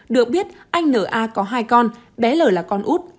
được biết anh n a có hai con bé l là con út